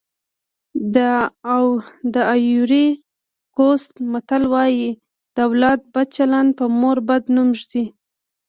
د ایوُري کوسټ متل وایي د اولاد بد چلند په مور بد نوم ږدي.